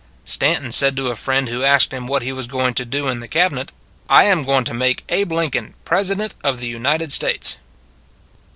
Stanton said to a friend who asked him what he was going to do in the Cabinet: " I am going to make Abe Lincoln Presi dent of the United States."